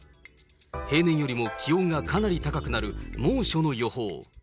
平年よりも気温がかなり高くなる猛暑の予報。